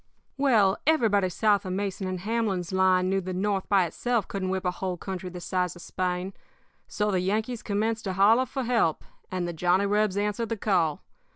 "Well, everybody south of Mason & Hamlin's line knew that the North by itself couldn't whip a whole country the size of Spain. So the Yankees commenced to holler for help, and the Johnny Rebs answered the call.